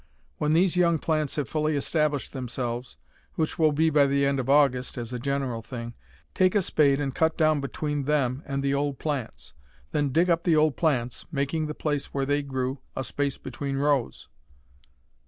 When these young plants have fully established themselves which will be by the end of August, as a general thing take a spade and cut down between them and the old plants. Then dig up the old plants, making the place where they grew a space between rows.